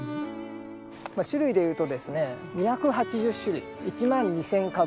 種類でいうとですね２８０種類１万２０００株。